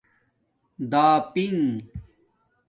داپنگ